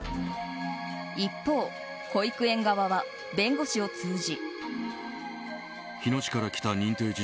一方、保育園側は弁護士を通じ。